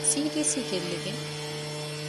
ސީ.ޑީ.ސީ ގެއްލިގެން